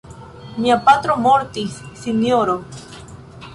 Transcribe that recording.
Mia patro mortis, sinjoro.